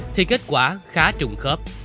thì kết quả khá trùng khớp